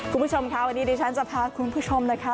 คุณผู้ชมค่ะวันนี้ดิฉันจะพาคุณผู้ชมนะคะ